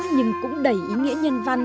nhưng cũng đầy ý nghĩa nhân văn